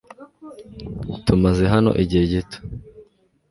Tumaze hano igihe gito .